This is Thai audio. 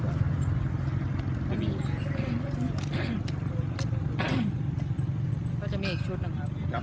ก็จะมีอีกชุดหนึ่งครับ